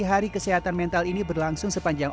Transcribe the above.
hari kesehatan mental ini berlangsung sepanjang